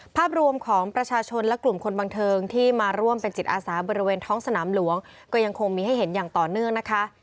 ภาพรวมของประชาชนและกลุ่มคนบันเทิงที่มาร่วมเป็นจิตอาสาบริเวณท้องสนามหลวงก็ยังคงมีให้เห็นอย่างต่อเนื่องนะคะ